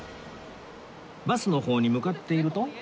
バスの方に向かっていると